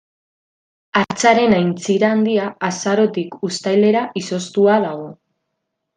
Hartzaren Aintzira Handia azarotik uztailera izoztua dago.